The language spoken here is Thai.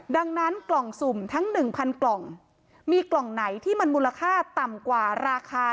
ดังนั้นกล่องสุ่มทั้ง๑๐๐กล่องมีกล่องไหนที่มันมูลค่าต่ำกว่าราคา